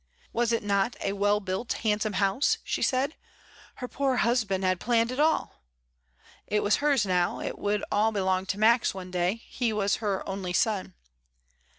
"Was it not a well built handsome house?" she said. "Her poor 'usban' had planned it all." — It was hers now; it would all be long to Max some day, he was her only son.